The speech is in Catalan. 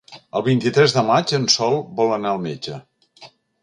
El vint-i-tres de maig en Sol vol anar al metge.